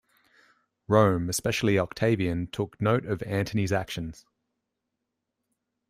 Rome, especially Octavian, took note of Antony's actions.